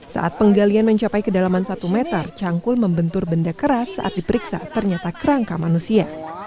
saat penggalian mencapai kedalaman satu meter cangkul membentur benda keras saat diperiksa ternyata kerangka manusia